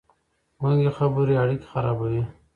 ګونګې خبرې اړيکې خرابوي.